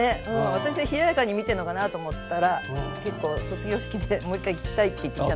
私は冷ややかに見てんのかなあと思ったら結構卒業式でもう一回聞きたいって言ってきたので。